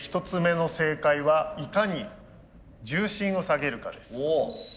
１つ目の正解はいかに重心を下げるかです。